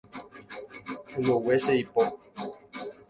Embogue che ipod.